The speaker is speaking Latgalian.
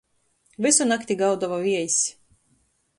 Vysu nakti gauduoja viejs.